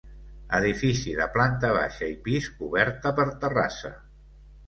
Edifici de planta baixa i pis coberta per terrassa.